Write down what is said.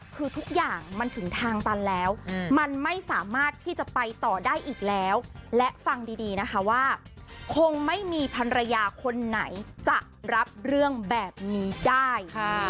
คงไม่มีภรรยาคนไหนจะรับเรื่องแบบนี้ได้